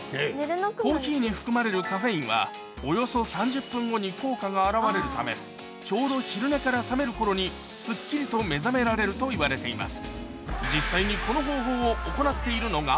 コーヒーに含まれるカフェインはおよそ３０分後に効果が表れるためちょうど昼寝から覚める頃にスッキリと目覚められるといわれています